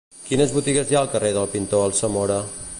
Quines botigues hi ha al carrer del Pintor Alsamora?